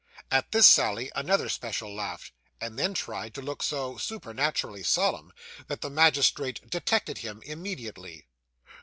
At this sally another special laughed, and then tried to look so supernaturally solemn, that the magistrate detected him immediately.